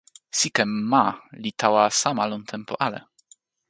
sike ma li tawa sama lon tenpo ale.